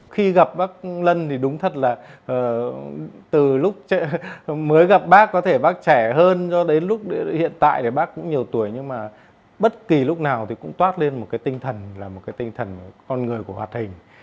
khi gặp bác lân thì đúng thật là từ lúc mới gặp bác có thể bác trẻ hơn do đến lúc hiện tại thì bác cũng nhiều tuổi nhưng mà bất kỳ lúc nào thì cũng toát lên một cái tinh thần là một cái tinh thần con người của hoạt hình